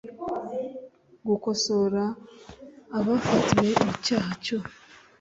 gukosora abafatiwe mu cyaha cyo